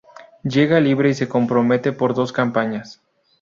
Llega libre y se compromete por dos campañas.